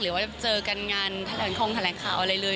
หรือว่าเจอกันงานทะเลงคลองทะเลงข่าวอะไรเลย